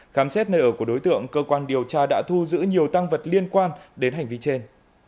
khám xét nơi ở của đối tượng cơ quan điều tra đã thu giữ nhiều tăng vật liên quan đến hành vi trên